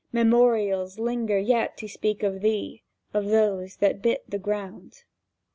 . Memorials linger yet to speak to thee Of those that bit the ground!